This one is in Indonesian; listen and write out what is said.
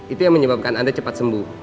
itu yang menyebabkan anda cepat sembuh